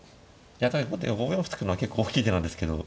後手は５四歩突くのは結構大きい手なんですけど。